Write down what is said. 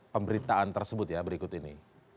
pemberitaan tersebut ya berikut ini